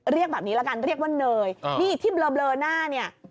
เรียกแบบนี้ละกันเรียกว่าเนยนี่ที่เบลอหน้าเนี่ย